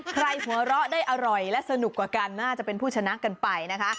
หัวเราะได้อร่อยและสนุกกว่ากันน่าจะเป็นผู้ชนะกันไปนะคะ